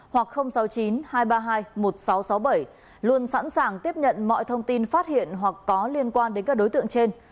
hoặc sáu mươi chín hai trăm ba mươi hai một nghìn sáu trăm sáu mươi bảy luôn sẵn sàng tiếp nhận mọi thông tin phát hiện hoặc có liên quan đến các đối tượng trên